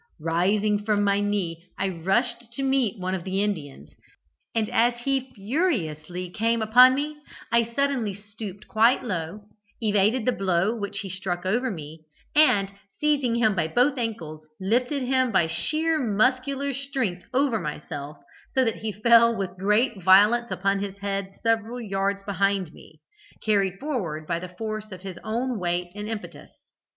Rising from my knee, I rushed to meet one of the Indians, and as he furiously came upon me, I suddenly stooped quite low, evaded the blow which he struck over me, and seizing him by both ankles, lifted him by sheer muscular strength over myself, so that he fell with great violence upon his head several yards behind me, carried forward by the force of his own weight and impetus.